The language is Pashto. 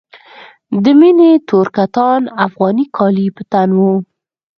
د مينې تور کتان افغاني کالي په تن وو.